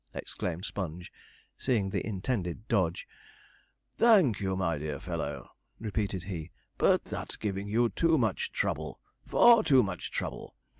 exclaimed Sponge, seeing the intended dodge; 'thank you, my dear fellow!' repeated he; 'but that's giving you too much trouble far too much trouble!